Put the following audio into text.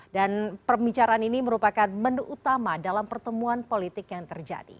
dan perbicaraan ini merupakan menu utama dalam pertemuan politik yang terjadi